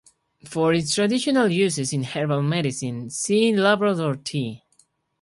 For its traditional uses in herbal medicine, see Labrador tea.